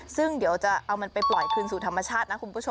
ซึ่งเดี๋ยวจะเอามันไปปล่อยคืนสู่ธรรมชาตินะคุณผู้ชม